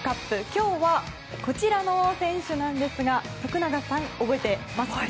今日はこちらの選手ですが徳永さん、覚えていますか？